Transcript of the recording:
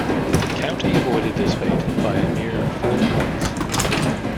County avoided this fate by a mere four points.